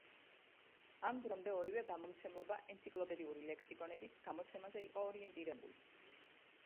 ამ დრომდე ორივე გამომცემლობა ენციკლოპედიური ლექსიკონების გამოცემაზე იყო ორიენტირებული.